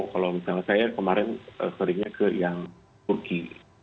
kalau misalnya saya kemarin sorrynya ke yang turki